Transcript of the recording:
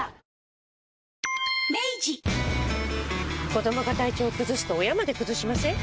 子どもが体調崩すと親まで崩しません？